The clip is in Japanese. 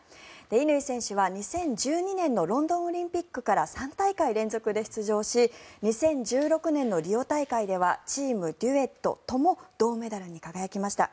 乾選手は２０１２年のロンドンオリンピックから３大会連続で出場し２０１６年のリオ大会ではチーム、デュエットとも銅メダルに輝きました。